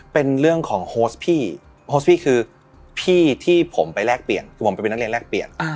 เป็นเรื่องของโฮสพี่โฮสพี่คือพี่ที่ผมไปแลกเปลี่ยนคือผมไปเป็นนักเรียนแลกเปลี่ยน